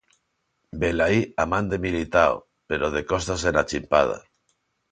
Velaí, a man de Militao, pero de costas e na chimpada.